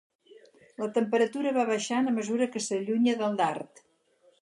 La temperatura va baixant a mesura que s'allunya del dard.